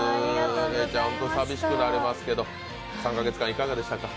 ほんと寂しくなりますけど、３カ月間いかがでしたか？